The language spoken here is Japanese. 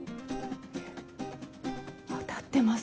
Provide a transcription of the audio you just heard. えっ当たってます。